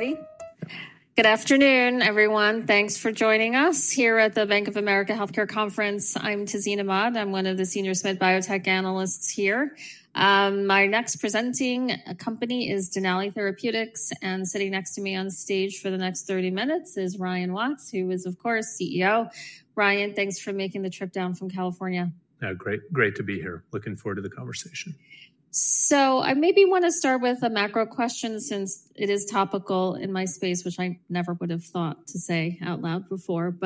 Ready? Good afternoon, everyone. Thanks for joining us here at the Bank of America Healthcare Conference. I'm Tizina Mudd. I'm one of the senior biotech analysts here. My next presenting company is Denali Therapeutics, and sitting next to me on stage for the next 30 minutes is Ryan Watts, who is, of course, CEO. Ryan, thanks for making the trip down from California. Great. Great to be here. Looking forward to the conversation. I maybe want to start with a macro question since it is topical in my space, which I never would have thought to say out loud before.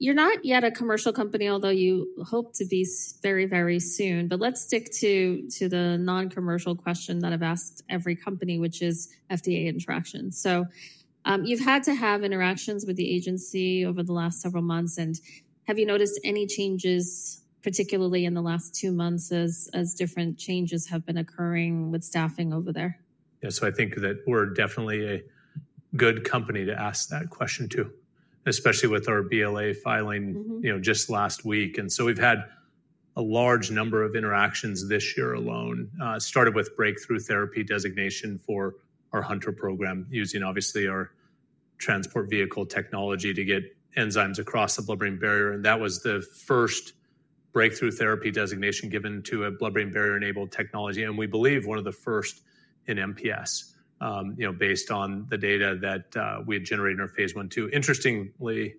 You're not yet a commercial company, although you hope to be very, very soon. Let's stick to the non-commercial question that I've asked every company, which is FDA interactions. You've had to have interactions with the agency over the last several months. Have you noticed any changes, particularly in the last two months, as different changes have been occurring with staffing over there? Yeah. I think that we're definitely a good company to ask that question to, especially with our BLA filing just last week. We have had a large number of interactions this year alone, started with breakthrough therapy designation for our Hunter program, using, obviously, our transport vehicle technology to get enzymes across the blood-brain barrier. That was the first breakthrough therapy designation given to a blood-brain barrier-enabled technology. We believe one of the first in MPS, based on the data that we had generated in our phase one two. Interestingly,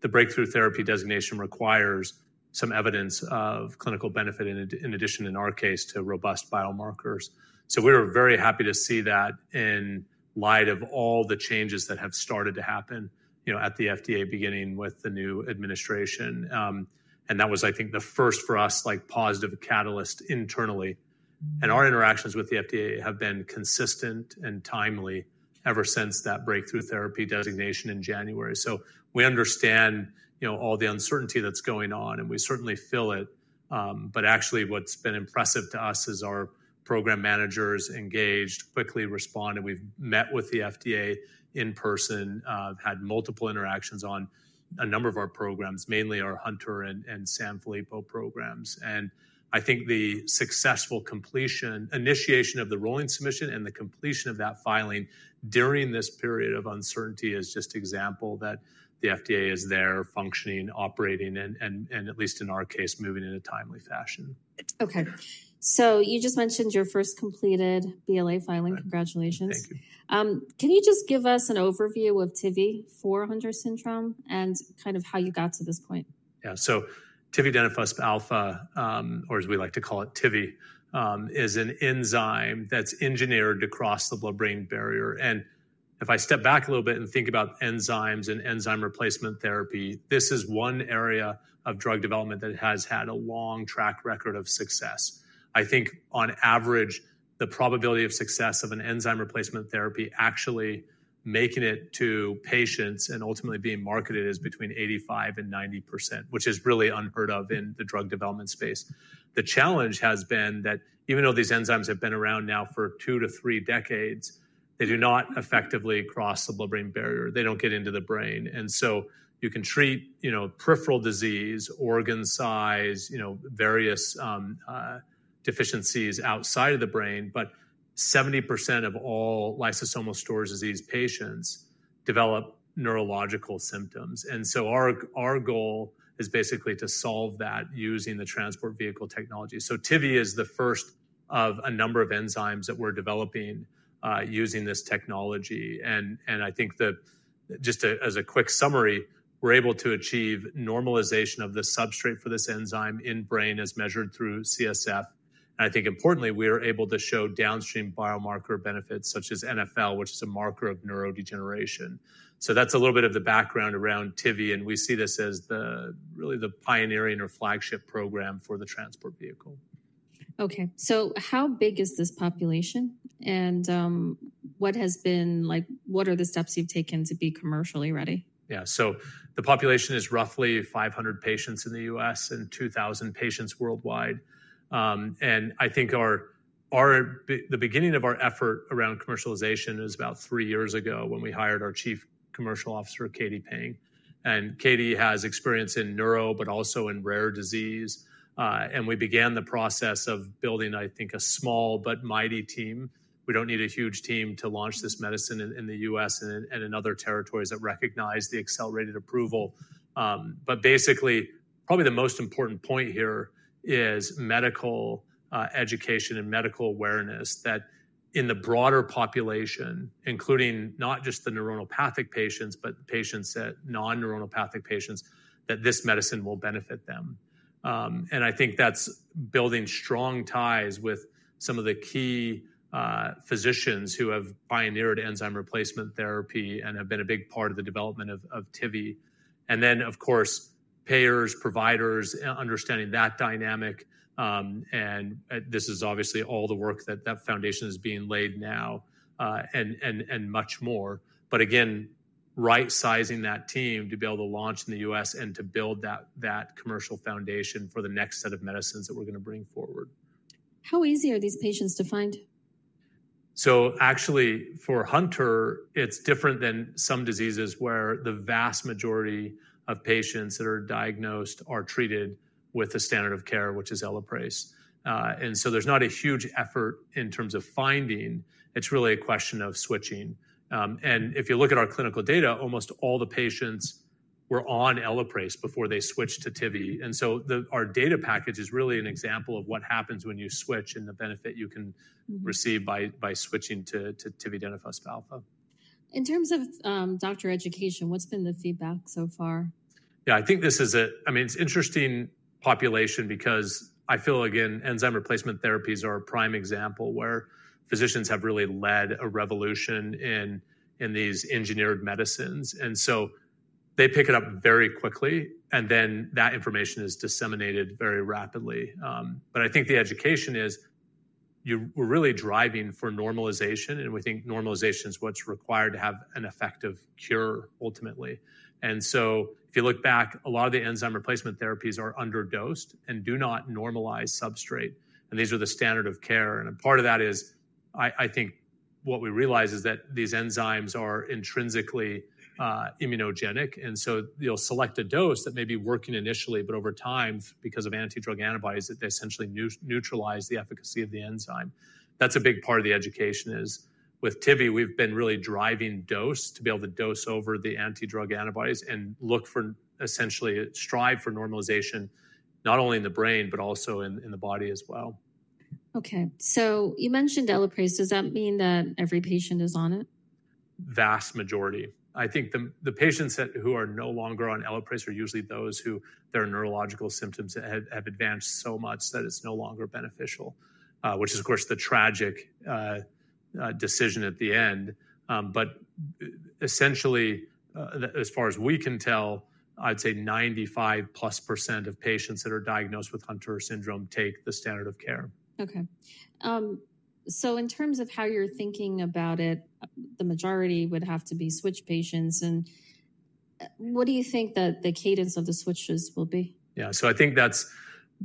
the breakthrough therapy designation requires some evidence of clinical benefit, in addition, in our case, to robust biomarkers. We were very happy to see that in light of all the changes that have started to happen at the FDA, beginning with the new administration. That was, I think, the first for us, positive catalyst internally. Our interactions with the FDA have been consistent and timely ever since that breakthrough therapy designation in January. We understand all the uncertainty that's going on, and we certainly feel it. Actually, what's been impressive to us is our program managers engaged, quickly responded. We've met with the FDA in person, had multiple interactions on a number of our programs, mainly our Hunter and Sanfilippo programs. I think the successful initiation of the rolling submission and the completion of that filing during this period of uncertainty is just an example that the FDA is there functioning, operating, and at least in our case, moving in a timely fashion. Okay. So you just mentioned your first completed BLA filing. Congratulations. Can you just give us an overview of TIVI for Hunter syndrome and kind of how you got to this point? Yeah. TIVI, tividenofusp alfa, or as we like to call it, TIVI, is an enzyme that's engineered to cross the blood-brain barrier. If I step back a little bit and think about enzymes and enzyme replacement therapy, this is one area of drug development that has had a long track record of success. I think, on average, the probability of success of an enzyme replacement therapy actually making it to patients and ultimately being marketed is between 85% and 90%, which is really unheard of in the drug development space. The challenge has been that even though these enzymes have been around now for two to three decades, they do not effectively cross the blood-brain barrier. They do not get into the brain. You can treat peripheral disease, organ size, various deficiencies outside of the brain, but 70% of all lysosomal storage disease patients develop neurological symptoms. Our goal is basically to solve that using the transport vehicle technology. TIVI is the first of a number of enzymes that we're developing using this technology. I think just as a quick summary, we're able to achieve normalization of the substrate for this enzyme in brain as measured through CSF. I think, importantly, we are able to show downstream biomarker benefits such as NFL, which is a marker of neurodegeneration. That's a little bit of the background around TIVI. We see this as really the pioneering or flagship program for the transport vehicle. Okay. So how big is this population? And what has been what are the steps you've taken to be commercially ready? Yeah. The population is roughly 500 patients in the U.S. and 2,000 patients worldwide. I think the beginning of our effort around commercialization is about three years ago when we hired our Chief Commercial Officer, Katie Pang. Katie has experience in neuro, but also in rare disease. We began the process of building, I think, a small but mighty team. We do not need a huge team to launch this medicine in the U.S. and in other territories that recognize the accelerated approval. Probably the most important point here is medical education and medical awareness that in the broader population, including not just the neuronopathic patients, but patients that are non-neuronopathic patients, that this medicine will benefit them. I think that's building strong ties with some of the key physicians who have pioneered enzyme replacement therapy and have been a big part of the development of TIVI. Of course, payers, providers, understanding that dynamic. This is obviously all the work that that foundation is being laid now and much more. Again, right-sizing that team to be able to launch in the U.S. and to build that commercial foundation for the next set of medicines that we're going to bring forward. How easy are these patients to find? Actually, for Hunter, it's different than some diseases where the vast majority of patients that are diagnosed are treated with a standard of care, which is Elaprase. There's not a huge effort in terms of finding. It's really a question of switching. If you look at our clinical data, almost all the patients were on Elaprase before they switched to TIVI. Our data package is really an example of what happens when you switch and the benefit you can receive by switching to TIVI, tividenofusp alfa. In terms of doctor education, what's been the feedback so far? Yeah. I think this is a, I mean, it's an interesting population because I feel, again, enzyme replacement therapies are a prime example where physicians have really led a revolution in these engineered medicines. I mean, they pick it up very quickly, and then that information is disseminated very rapidly. I think the education is we're really driving for normalization, and we think normalization is what's required to have an effective cure, ultimately. If you look back, a lot of the enzyme replacement therapies are underdosed and do not normalize substrate. These are the standard of care. Part of that is, I think what we realize is that these enzymes are intrinsically immunogenic. You will select a dose that may be working initially, but over time, because of anti-drug antibodies, they essentially neutralize the efficacy of the enzyme. That's a big part of the education is with TIVI, we've been really driving dose to be able to dose over the anti-drug antibodies and look for essentially strive for normalization not only in the brain, but also in the body as well. Okay. So you mentioned Elaprase. Does that mean that every patient is on it? Vast majority. I think the patients who are no longer on Elaprase are usually those who their neurological symptoms have advanced so much that it's no longer beneficial, which is, of course, the tragic decision at the end. Essentially, as far as we can tell, I'd say 95+% of patients that are diagnosed with Hunter syndrome take the standard of care. Okay. In terms of how you're thinking about it, the majority would have to be switch patients. What do you think that the cadence of the switches will be? Yeah. I think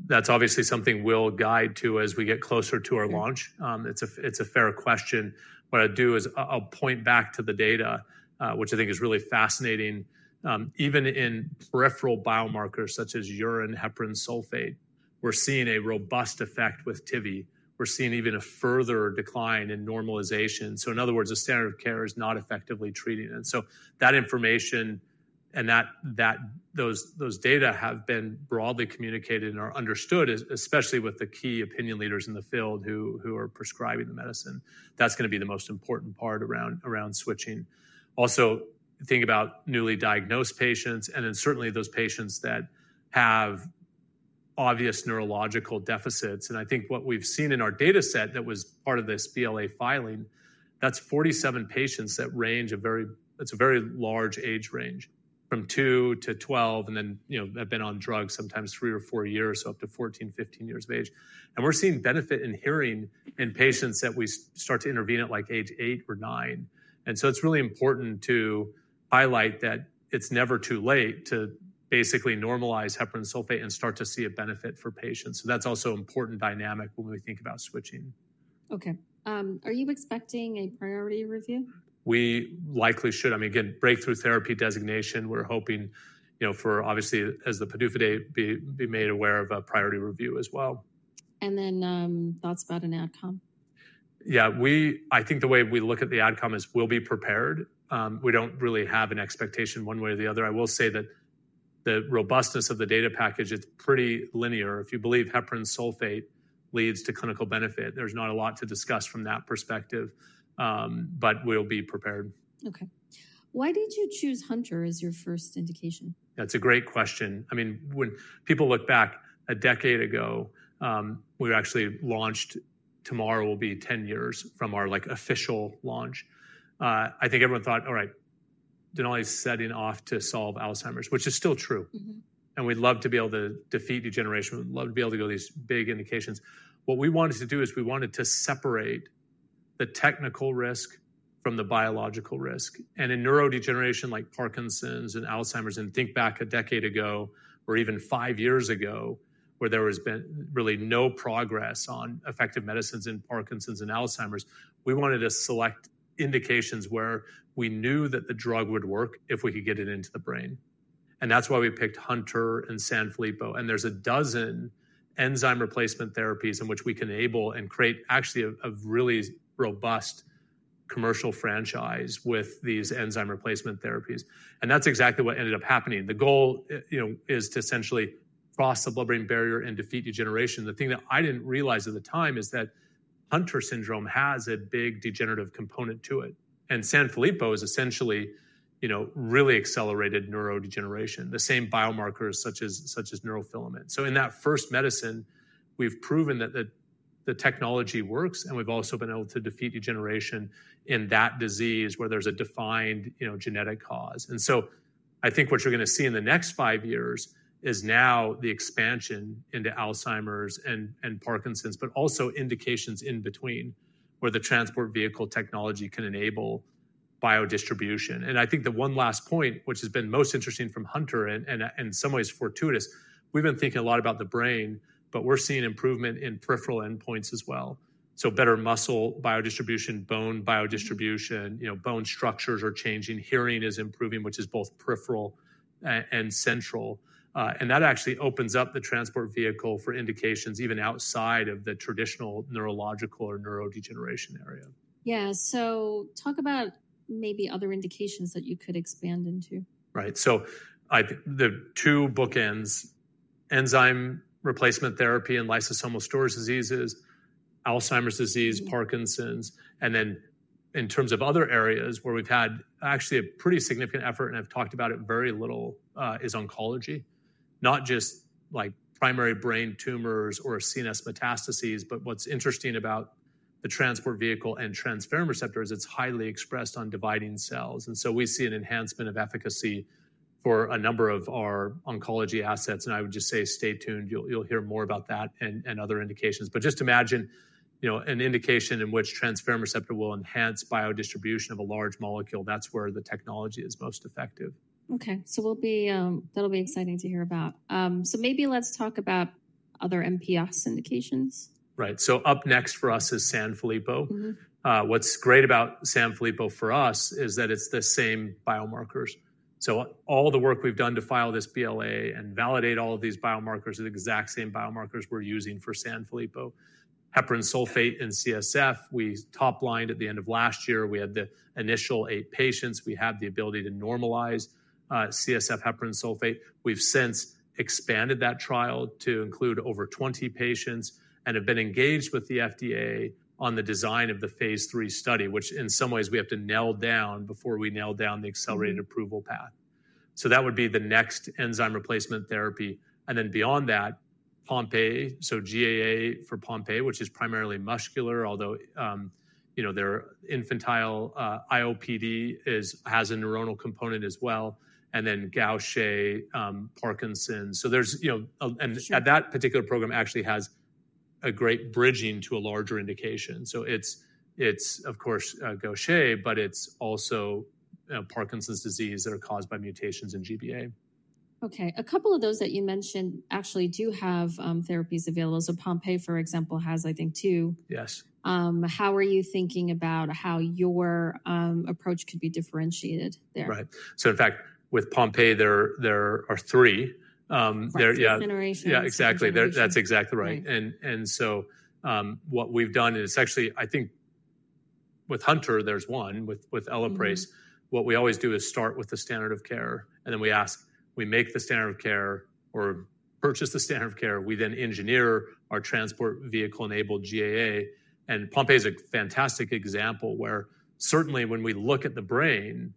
that's obviously something we'll guide to as we get closer to our launch. It's a fair question. What I do is I'll point back to the data, which I think is really fascinating. Even in peripheral biomarkers such as urine heparan sulfate, we're seeing a robust effect with TIVI. We're seeing even a further decline in normalization. In other words, the standard of care is not effectively treating it. That information and those data have been broadly communicated and are understood, especially with the key opinion leaders in the field who are prescribing the medicine. That's going to be the most important part around switching. Also, think about newly diagnosed patients and then certainly those patients that have obvious neurological deficits. I think what we've seen in our data set that was part of this BLA filing, that's 47 patients that range a very, it's a very large age range, from 2 to 12, and then have been on drugs sometimes 3 or 4 years, so up to 14-15 years of age. We're seeing benefit in hearing in patients that we start to intervene at like age 8 or 9. It is really important to highlight that it's never too late to basically normalize heparan sulfate and start to see a benefit for patients. That is also an important dynamic when we think about switching. Okay. Are you expecting a priority review? We likely should. I mean, again, breakthrough therapy designation, we're hoping for obviously, as the PDUFA date, be made aware of a priority review as well. Thoughts about an outcome? Yeah. I think the way we look at the outcome is we'll be prepared. We don't really have an expectation one way or the other. I will say that the robustness of the data package, it's pretty linear. If you believe heparan sulfate leads to clinical benefit, there's not a lot to discuss from that perspective. We'll be prepared. Okay. Why did you choose Hunter as your first indication? That's a great question. I mean, when people look back a decade ago, we actually launched tomorrow will be 10 years from our official launch. I think everyone thought, "All right, Denali's setting off to solve Alzheimer's," which is still true. We'd love to be able to defeat degeneration. We'd love to be able to go to these big indications. What we wanted to do is we wanted to separate the technical risk from the biological risk. In neurodegeneration like Parkinson's and Alzheimer's, and think back a decade ago or even five years ago where there was really no progress on effective medicines in Parkinson's and Alzheimer's, we wanted to select indications where we knew that the drug would work if we could get it into the brain. That's why we picked Hunter and Sanfilippo. There are a dozen enzyme replacement therapies in which we can enable and create actually a really robust commercial franchise with these enzyme replacement therapies. That is exactly what ended up happening. The goal is to essentially cross the blood-brain barrier and defeat degeneration. The thing that I did not realize at the time is that Hunter syndrome has a big degenerative component to it. Sanfilippo has essentially really accelerated neurodegeneration, the same biomarkers such as neurofilament. In that first medicine, we have proven that the technology works, and we have also been able to defeat degeneration in that disease where there is a defined genetic cause. I think what you are going to see in the next five years is now the expansion into Alzheimer's and Parkinson's, but also indications in between where the transport vehicle technology can enable biodistribution. I think the one last point, which has been most interesting from Hunter and in some ways fortuitous, we've been thinking a lot about the brain, but we're seeing improvement in peripheral endpoints as well. Better muscle biodistribution, bone biodistribution, bone structures are changing, hearing is improving, which is both peripheral and central. That actually opens up the transport vehicle for indications even outside of the traditional neurological or neurodegeneration area. Yeah. So talk about maybe other indications that you could expand into. Right. The two bookends, enzyme replacement therapy and lysosomal storage diseases, Alzheimer's disease, Parkinson's, and then in terms of other areas where we've had actually a pretty significant effort, and I've talked about it very little, is oncology, not just primary brain tumors or CNS metastases. What's interesting about the transport vehicle and transferrin receptor is it's highly expressed on dividing cells. We see an enhancement of efficacy for a number of our oncology assets. I would just say stay tuned. You'll hear more about that and other indications. Just imagine an indication in which transferrin receptor will enhance biodistribution of a large molecule. That's where the technology is most effective. Okay. That'll be exciting to hear about. Maybe let's talk about other MPS indications. Right. Up next for us is Sanfilippo. What's great about Sanfilippo for us is that it's the same biomarkers. All the work we've done to file this BLA and validate all of these biomarkers are the exact same biomarkers we're using for Sanfilippo. Heparan sulfate in CSF, we top-lined at the end of last year. We had the initial eight patients. We had the ability to normalize CSF heparan sulfate. We've since expanded that trial to include over 20 patients and have been engaged with the FDA on the design of the phase three study, which in some ways we have to nail down before we nail down the accelerated approval path. That would be the next enzyme replacement therapy. Beyond that, Pompe, so GAA for Pompe, which is primarily muscular, although their infantile IOPD has a neuronal component as well. Gaucher, Parkinson's. That particular program actually has a great bridging to a larger indication. It is, of course, Gaucher, but it is also Parkinson's disease that are caused by mutations in GBA. Okay. A couple of those that you mentioned actually do have therapies available. Pompe disease, for example, has, I think, two. Yes. How are you thinking about how your approach could be differentiated there? Right. So in fact, with Pompe, there are three. Three generations. Yeah, exactly. That's exactly right. What we've done is actually, I think with Hunter, there's one with Elaprase. What we always do is start with the standard of care, and then we ask, we make the standard of care or purchase the standard of care. We then engineer our transport vehicle-enabled GAA. Pompe disease is a fantastic example where certainly when we look at the brain,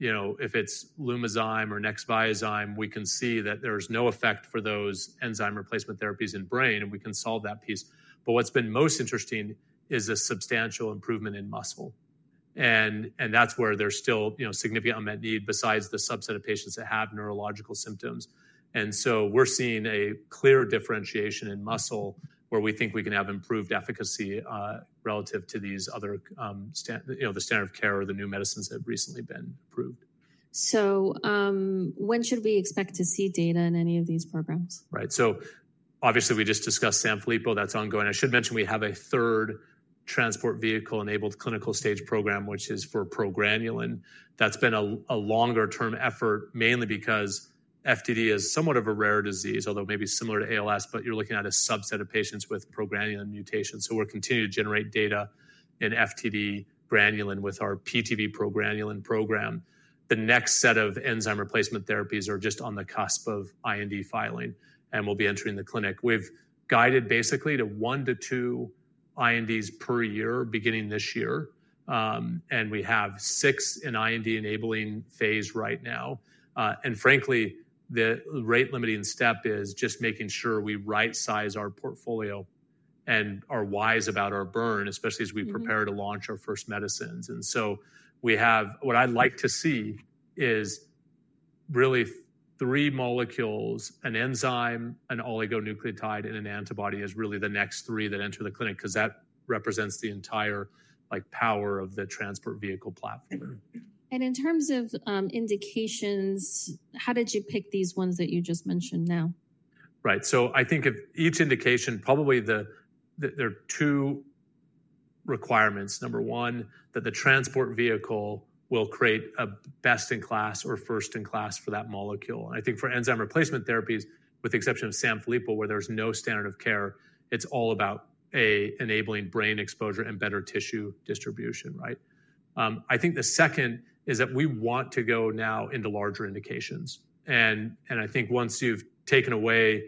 if it's Lumazyme or Nexviazyme, we can see that there's no effect for those enzyme replacement therapies in brain, and we can solve that piece. What's been most interesting is a substantial improvement in muscle. That's where there's still significant unmet need besides the subset of patients that have neurological symptoms. We're seeing a clear differentiation in muscle where we think we can have improved efficacy relative to these other the standard of care or the new medicines that have recently been approved. When should we expect to see data in any of these programs? Right. Obviously, we just discussed Sanfilippo. That's ongoing. I should mention we have a third transport vehicle-enabled clinical stage program, which is for progranulin. That's been a longer-term effort mainly because FTD is somewhat of a rare disease, although maybe similar to ALS, but you're looking at a subset of patients with progranulin mutations. We're continuing to generate data in FTD granulin with our PTV progranulin program. The next set of enzyme replacement therapies are just on the cusp of IND filing, and we'll be entering the clinic. We've guided basically to one to two INDs per year beginning this year, and we have six in IND-enabling phase right now. Frankly, the rate-limiting step is just making sure we right-size our portfolio and are wise about our burn, especially as we prepare to launch our first medicines. What I'd like to see is really three molecules, an enzyme, an oligonucleotide, and an antibody is really the next three that enter the clinic because that represents the entire power of the transport vehicle platform. In terms of indications, how did you pick these ones that you just mentioned now? Right. I think of each indication, probably there are two requirements. Number one, that the transport vehicle will create a best-in-class or first-in-class for that molecule. I think for enzyme replacement therapies, with the exception of Sanfilippo, where there is no standard of care, it is all about enabling brain exposure and better tissue distribution, right? I think the second is that we want to go now into larger indications. I think once you have taken away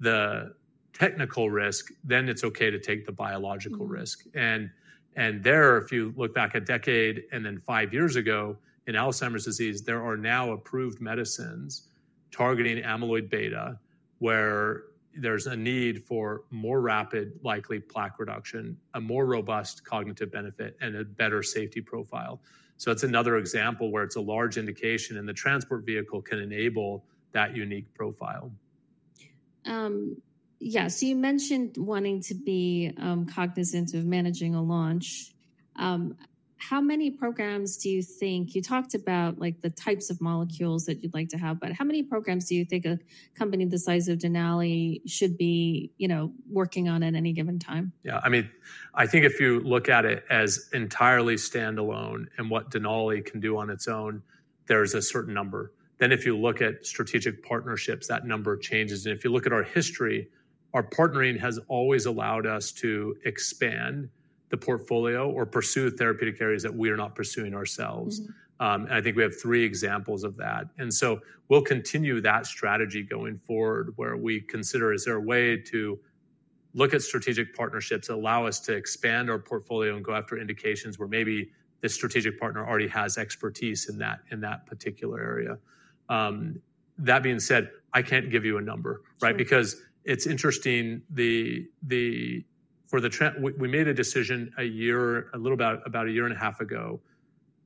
the technical risk, then it is okay to take the biological risk. There, if you look back a decade and then five years ago in Alzheimer's disease, there are now approved medicines targeting amyloid beta where there is a need for more rapid, likely plaque reduction, a more robust cognitive benefit, and a better safety profile. That's another example where it's a large indication, and the transport vehicle can enable that unique profile. Yeah. You mentioned wanting to be cognizant of managing a launch. How many programs do you think—you talked about the types of molecules that you'd like to have, but how many programs do you think a company the size of Denali should be working on at any given time? Yeah. I mean, I think if you look at it as entirely standalone and what Denali can do on its own, there's a certain number. Then if you look at strategic partnerships, that number changes. If you look at our history, our partnering has always allowed us to expand the portfolio or pursue therapeutic areas that we are not pursuing ourselves. I think we have three examples of that. We will continue that strategy going forward where we consider, is there a way to look at strategic partnerships that allow us to expand our portfolio and go after indications where maybe the strategic partner already has expertise in that particular area. That being said, I can't give you a number, right? Because it's interesting, we made a decision a little about a year and a half ago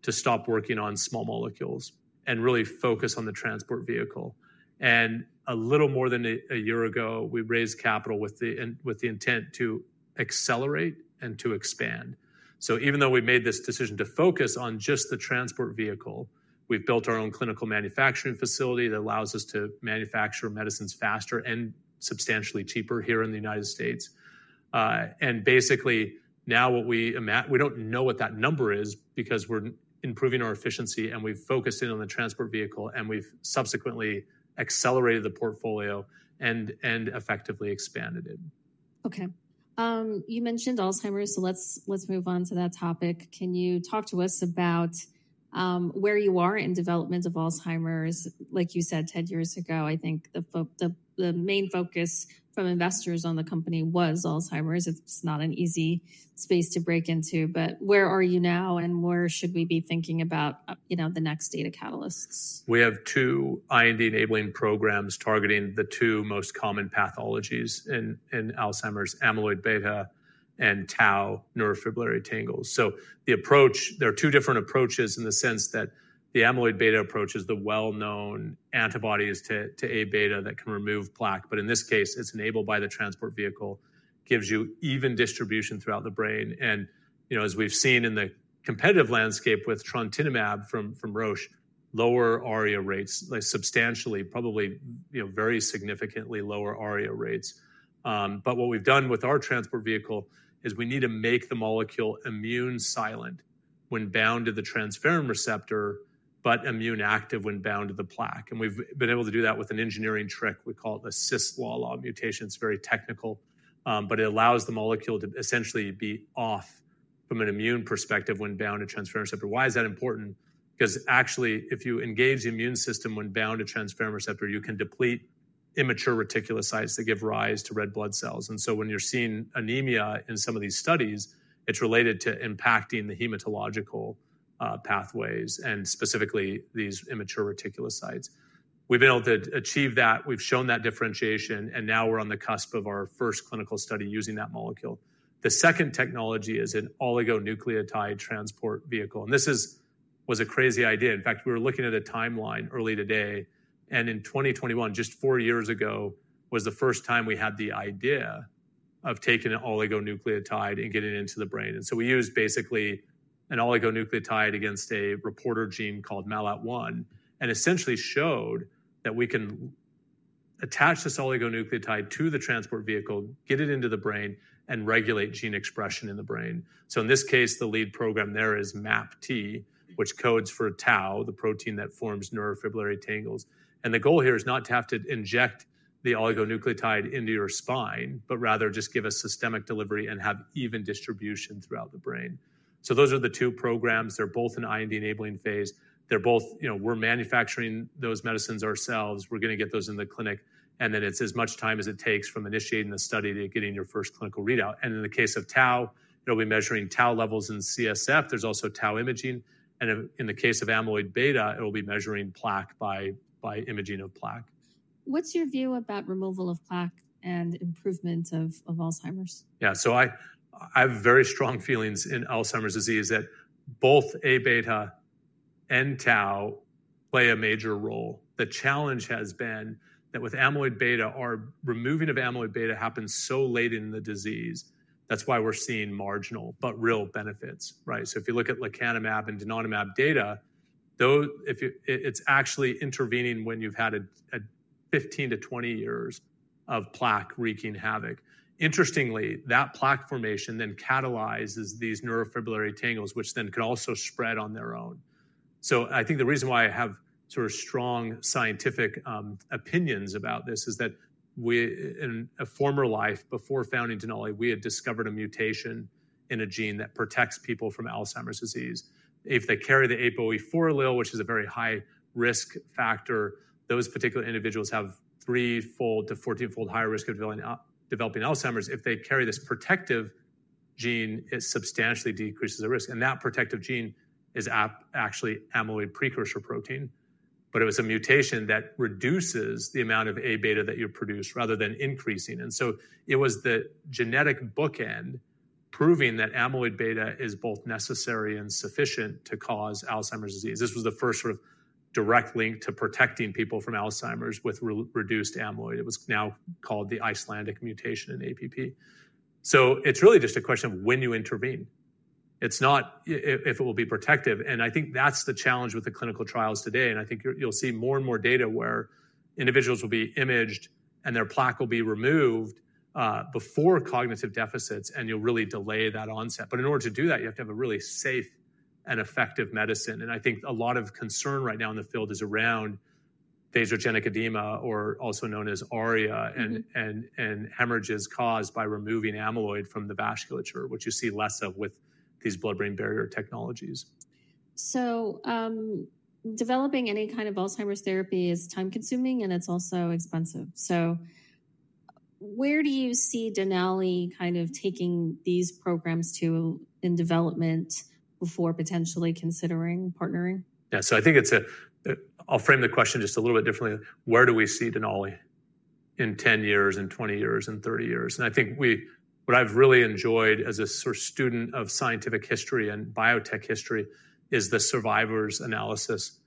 to stop working on small molecules and really focus on the transport vehicle. A little more than a year ago, we raised capital with the intent to accelerate and to expand. Even though we made this decision to focus on just the transport vehicle, we've built our own clinical manufacturing facility that allows us to manufacture medicines faster and substantially cheaper here in the United States. Basically, now we don't know what that number is because we're improving our efficiency, and we've focused in on the transport vehicle, and we've subsequently accelerated the portfolio and effectively expanded it. Okay. You mentioned Alzheimer's, so let's move on to that topic. Can you talk to us about where you are in development of Alzheimer's? Like you said, 10 years ago, I think the main focus from investors on the company was Alzheimer's. It's not an easy space to break into. Where are you now, and where should we be thinking about the next data catalysts? We have two IND-enabling programs targeting the two most common pathologies in Alzheimer's, amyloid beta and tau neurofibrillary tangles. The approach, there are two different approaches in the sense that the amyloid beta approach is the well-known antibodies to A beta that can remove plaque. In this case, it's enabled by the transport vehicle, gives you even distribution throughout the brain. As we've seen in the competitive landscape with trontinemab from Roche, lower ARIA rates substantially, probably very significantly lower ARIA rates. What we've done with our transport vehicle is we need to make the molecule immune silent when bound to the transferrin receptor, but immune active when bound to the plaque. We've been able to do that with an engineering trick. We call it the CISSLA mutation. It's very technical, but it allows the molecule to essentially be off from an immune perspective when bound to transferrin receptor. Why is that important? Because actually, if you engage the immune system when bound to transferrin receptor, you can deplete immature reticulocytes that give rise to red blood cells. When you're seeing anemia in some of these studies, it's related to impacting the hematological pathways and specifically these immature reticulocytes. We've been able to achieve that. We've shown that differentiation, and now we're on the cusp of our first clinical study using that molecule. The second technology is an oligonucleotide transport vehicle. This was a crazy idea. In fact, we were looking at a timeline early today. In 2021, just four years ago, was the first time we had the idea of taking an oligonucleotide and getting it into the brain. We used basically an oligonucleotide against a reporter gene called MALAT1 and essentially showed that we can attach this oligonucleotide to the transport vehicle, get it into the brain, and regulate gene expression in the brain. In this case, the lead program there is MAPT, which codes for tau, the protein that forms neurofibrillary tangles. The goal here is not to have to inject the oligonucleotide into your spine, but rather just give a systemic delivery and have even distribution throughout the brain. Those are the two programs. They are both in IND-enabling phase. We are manufacturing those medicines ourselves. We are going to get those in the clinic. It is as much time as it takes from initiating the study to getting your first clinical readout. In the case of tau, it will be measuring tau levels in CSF. There is also tau imaging. In the case of amyloid beta, it'll be measuring plaque by imaging of plaque. What's your view about removal of plaque and improvement of Alzheimer's? Yeah. I have very strong feelings in Alzheimer's disease that both A beta and tau play a major role. The challenge has been that with amyloid beta, our removing of amyloid beta happens so late in the disease. That is why we are seeing marginal but real benefits, right? If you look at lecanemab and denosumab data, it is actually intervening when you have had 15-20 years of plaque wreaking havoc. Interestingly, that plaque formation then catalyzes these neurofibrillary tangles, which then can also spread on their own. I think the reason why I have sort of strong scientific opinions about this is that in a former life, before founding Denali, we had discovered a mutation in a gene that protects people from Alzheimer's disease. If they carry the APOE4 allele, which is a very high-risk factor, those particular individuals have threefold to 14-fold higher risk of developing Alzheimer's. If they carry this protective gene, it substantially decreases the risk. That protective gene is actually amyloid precursor protein. It was a mutation that reduces the amount of A beta that you produce rather than increasing. It was the genetic bookend proving that amyloid beta is both necessary and sufficient to cause Alzheimer's disease. This was the first sort of direct link to protecting people from Alzheimer's with reduced amyloid. It is now called the Icelandic mutation in APP. It is really just a question of when you intervene. It is not if it will be protective. I think that is the challenge with the clinical trials today. I think you will see more and more data where individuals will be imaged and their plaque will be removed before cognitive deficits, and you will really delay that onset. In order to do that, you have to have a really safe and effective medicine. I think a lot of concern right now in the field is around vasogenic edema, or also known as ARIA, and hemorrhages caused by removing amyloid from the vasculature, which you see less of with these blood-brain barrier technologies. Developing any kind of Alzheimer's therapy is time-consuming, and it's also expensive. Where do you see Denali kind of taking these programs to in development before potentially considering partnering? Yeah. I think it's a I'll frame the question just a little bit differently. Where do we see Denali in 10 years, in 20 years, in 30 years? I think what I've really enjoyed as a sort of student of scientific history and biotech history is the survivors analysis.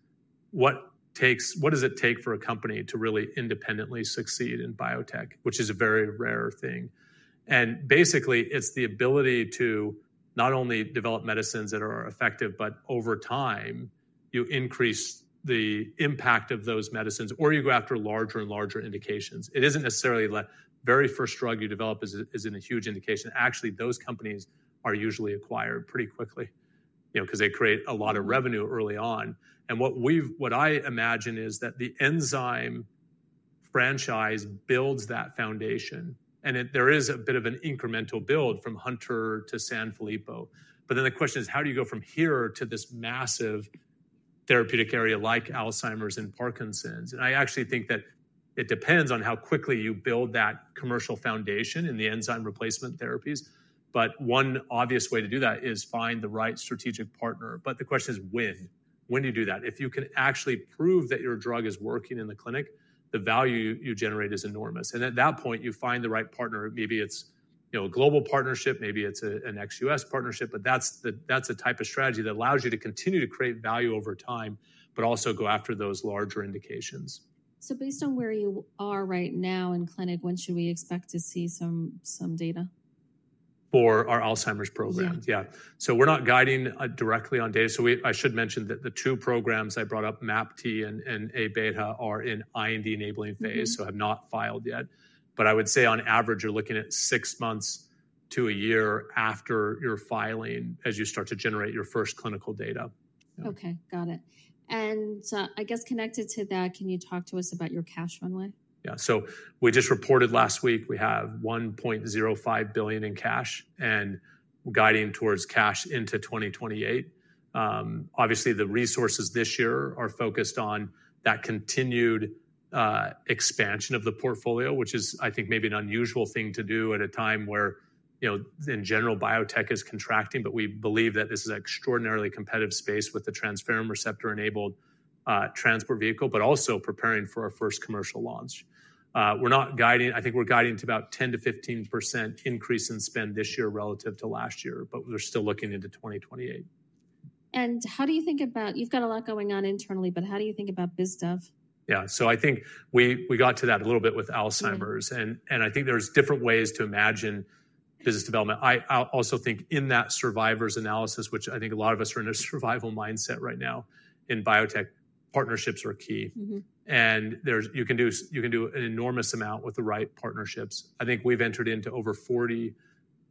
What does it take for a company to really independently succeed in biotech, which is a very rare thing? Basically, it's the ability to not only develop medicines that are effective, but over time, you increase the impact of those medicines, or you go after larger and larger indications. It isn't necessarily that very first drug you develop is in a huge indication. Actually, those companies are usually acquired pretty quickly because they create a lot of revenue early on. What I imagine is that the enzyme franchise builds that foundation. There is a bit of an incremental build from Hunter to Sanfilippo. The question is, how do you go from here to this massive therapeutic area like Alzheimer's and Parkinson's? I actually think that it depends on how quickly you build that commercial foundation in the enzyme replacement therapies. One obvious way to do that is find the right strategic partner. The question is, when? When do you do that? If you can actually prove that your drug is working in the clinic, the value you generate is enormous. At that point, you find the right partner. Maybe it is a global partnership. Maybe it is an ex-U.S. partnership. That is a type of strategy that allows you to continue to create value over time, and also go after those larger indications. Based on where you are right now in clinic, when should we expect to see some data? For our Alzheimer's program. Yes. Yeah. So we're not guiding directly on data. I should mention that the two programs I brought up, MAPT and A beta, are in IND-enabling phase, so have not filed yet. I would say on average, you're looking at six months to a year after your filing as you start to generate your first clinical data. Okay. Got it. I guess connected to that, can you talk to us about your cash runway? Yeah. So we just reported last week we have $1.05 billion in cash and guiding towards cash into 2028. Obviously, the resources this year are focused on that continued expansion of the portfolio, which is, I think, maybe an unusual thing to do at a time where, in general, biotech is contracting. We believe that this is an extraordinarily competitive space with the transferrin receptor-enabled transport vehicle, but also preparing for our first commercial launch. I think we're guiding to about 10-15% increase in spend this year relative to last year, but we're still looking into 2028. How do you think about, you've got a lot going on internally, but how do you think about biz stuff? Yeah. I think we got to that a little bit with Alzheimer's. I think there are different ways to imagine business development. I also think in that survivors analysis, which I think a lot of us are in a survival mindset right now, in biotech, partnerships are key. You can do an enormous amount with the right partnerships. I think we've entered into over 40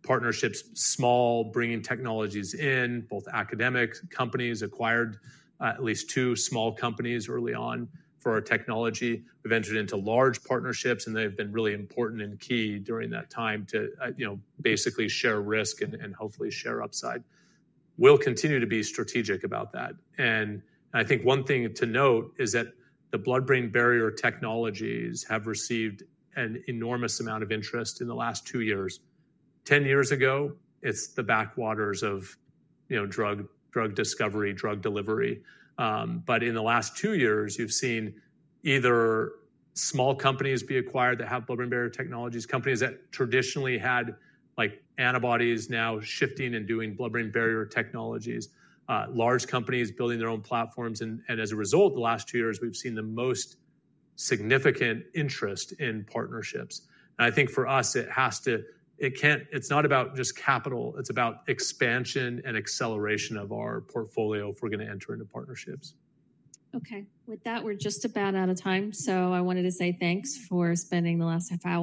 partnerships, small, bringing technologies in, both academic companies, acquired at least two small companies early on for our technology. We've entered into large partnerships, and they've been really important and key during that time to basically share risk and hopefully share upside. We'll continue to be strategic about that. I think one thing to note is that the blood-brain barrier technologies have received an enormous amount of interest in the last two years. Ten years ago, it's the backwaters of drug discovery, drug delivery. In the last two years, you've seen either small companies be acquired that have blood-brain barrier technologies, companies that traditionally had antibodies now shifting and doing blood-brain barrier technologies, large companies building their own platforms. As a result, the last two years, we've seen the most significant interest in partnerships. I think for us, it has to it's not about just capital. It's about expansion and acceleration of our portfolio if we're going to enter into partnerships. Okay. With that, we're just about out of time. So I wanted to say thanks for spending the last half hour.